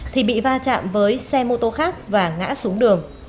thì bị va chạm với xe mô tô khác và ngã xuống đường